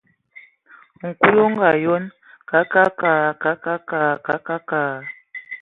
Nkul o ngaayon: Kəŋ, kəŋ, kəŋ, kəŋ, kəŋ!.